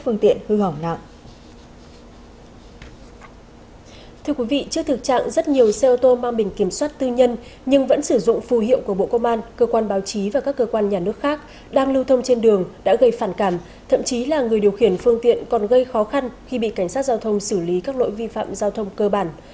thưa quý vị trước thực trạng rất nhiều xe ô tô mang bình kiểm soát tư nhân nhưng vẫn sử dụng phù hiệu của bộ công an cơ quan báo chí và các cơ quan nhà nước khác đang lưu thông trên đường đã gây phản cảm thậm chí là người điều khiển phương tiện còn gây khó khăn khi bị cảnh sát giao thông xử lý các lỗi vi phạm giao thông cơ bản